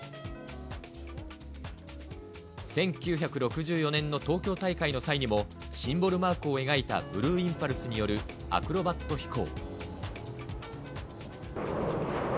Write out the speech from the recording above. １９６４年の東京大会の際にもシンボルマークを描いたブルーインパルスによるアクロバット飛行。